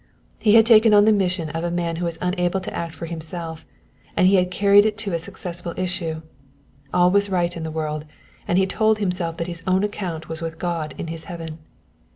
He had taken on the mission of a man who was unable to act for himself, and he had carried it to a successful issue. All was right with the world, and he told himself that his own account was with God in His heaven.